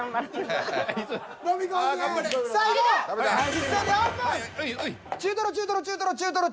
一斉にオープン。